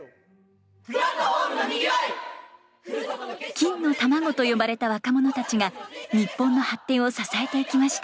金の卵と呼ばれた若者たちが日本の発展を支えていきました。